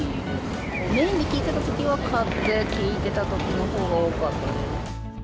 メインで聴いてたときは、買って聴いてたときのほうが多かったです。